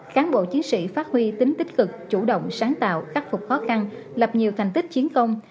cán bộ chiến sĩ phát huy tính tích cực chủ động sáng tạo khắc phục khó khăn lập nhiều thành tích chiến công